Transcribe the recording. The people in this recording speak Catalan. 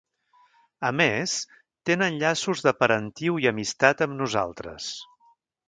A més, tenen llaços de parentiu i amistat amb nosaltres.